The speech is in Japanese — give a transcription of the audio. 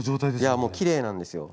いやもうきれいなんですよ。